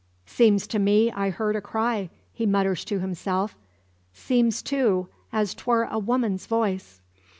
"Seems to me I heard a cry," he mutters to himself; "seems, too, as 'twar a woman's voice."